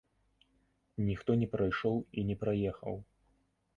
Ніхто не прайшоў і не праехаў.